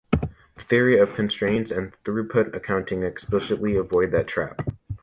The theory of constraints and throughput accounting explicitly avoid that trap.